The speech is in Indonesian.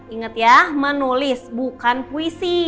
ingat ya menulis bukan puisi